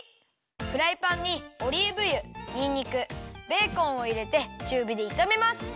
フライパンにオリーブ油にんにくベーコンをいれてちゅうびでいためます。